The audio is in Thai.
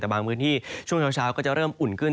แต่บางพื้นที่ช่วงเช้าก็จะเริ่มอุ่นขึ้น